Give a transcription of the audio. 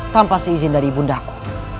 tanpa seizin dari ibundaku